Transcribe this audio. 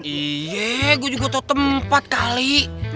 iya gue juga butuh tempat kali